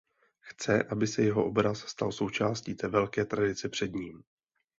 Chce aby se jeho obraz stal součástí té velké tradice před ním.